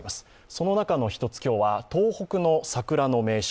その中の１つ今日は東北の桜の名所